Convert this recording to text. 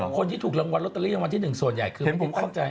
คนที่ถูกรางวัลลอตเตอรี่รางวัลที่๑ส่วนใหญ่คือเข้าใจ